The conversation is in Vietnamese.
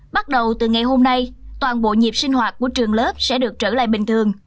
bắt đầu từ ngày hôm nay toàn bộ nhịp sinh hoạt của trường lớp sẽ được trở lại bình thường